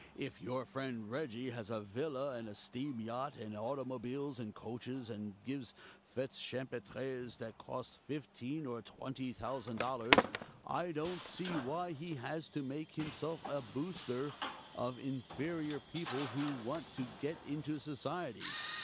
"If your friend Reggie has a villa and a steam yacht, and automobiles and coaches, and gives fêtes champêtres that cost fifteen or twenty thousand dollars, I don't see why he has to make himself a Booster of inferior people who want to get into Society.